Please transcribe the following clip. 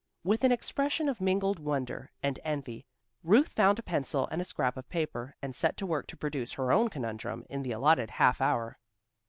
With an expression of mingled wonder and envy, Ruth found a pencil and scrap of paper, and set to work to produce her own conundrum in the allotted half hour.